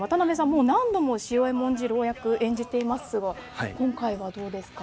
もう何度も潮江文次郎役演じていますが今回はどうですか？